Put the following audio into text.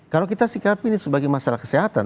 kalau kita sikapi ini sebagai masalah kesehatan